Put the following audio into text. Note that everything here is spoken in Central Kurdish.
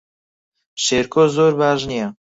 شێرکۆ زۆر باش نییە.